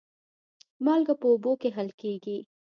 مالګه په اوبو کې حل کېږي.